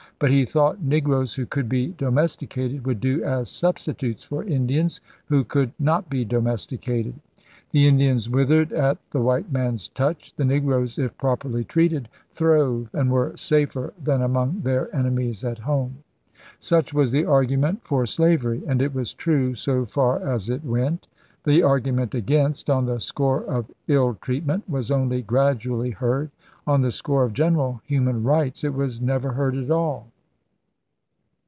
But he thought negroes, who could be domesticated, would do as substitutes for Indians, who could not be domesticated. The Indians withered at the white man's touch. The negroes, if properly treated, throve, and were safer than among their enemies at home. Such was the argument for slavery; and it was true so far as it went. The argument against, on the score of ill treatment, was only gradually heard. On the score of general human rights it was never heard at all.